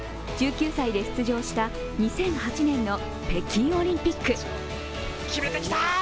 １９歳で出場した２００８年の北京オリンピック。